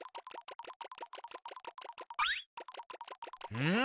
うん？